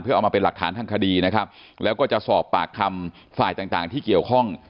เอามาเป็นหลักฐานทางคดีนะครับแล้วก็จะสอบปากคำฝ่ายต่างต่างที่เกี่ยวข้อง